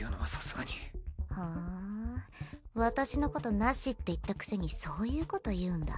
ふん私のことなしって言ったくせにそういうこと言うんだ。